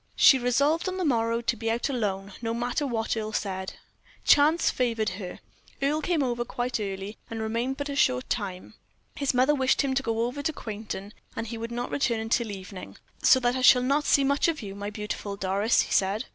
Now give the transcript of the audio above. She resolved on the morrow to be out alone, no matter what Earle said. Chance favored her. Earle came over quite early, and remained but a short time. His mother wished him to go over to Quainton, and he would not return till evening. "So that I shall not see much of you, my beautiful Doris," he said.